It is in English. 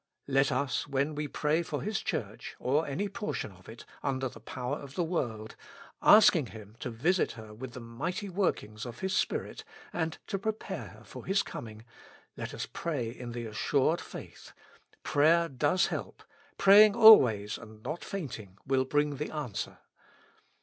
Let us, when we pray for His Church or any portion of it, under the power of the world, asking Him to 9 129 With Christ in the School of Prayer. visit her with the mighty workings of His Spirit and to prepare her for His coming, let us pray in the assured faith : prayer does help, praying always and not fainting will bring the answer.